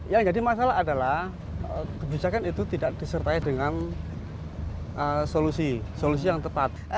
yang jadi masalah adalah kebijakan itu tidak disertai dengan solusi solusi yang tepat